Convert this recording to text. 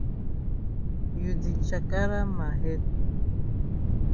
You di chakara ma head.